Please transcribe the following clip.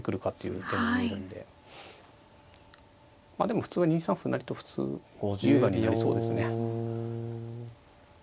でも普通は２三歩成と普通優雅に成りそうですね。